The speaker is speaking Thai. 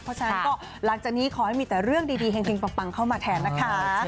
เพราะฉะนั้นก็หลังจากนี้ขอให้มีแต่เรื่องดีแห่งปังเข้ามาแทนนะคะ